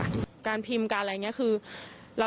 ลูกสาวหลายครั้งแล้วว่าไม่ได้คุยกับแจ๊บเลยลองฟังนะคะ